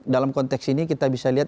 dalam konteks ini kita bisa lihat